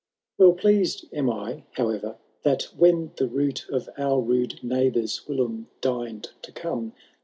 Well pleased am I, howe'er, that when the route Of OUT rude neighbours whilome deign'd to come.